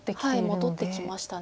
戻ってきました。